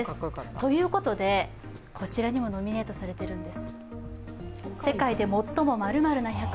ということでこちらにもノミネートされてるんです。